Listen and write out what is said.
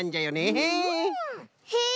へえ